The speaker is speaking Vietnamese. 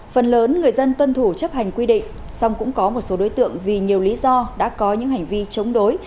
phần lớn người dân tuân thủ chấp hành quy định song cũng có một số đối tượng vì nhiều lý do đã có những hành vi chống đối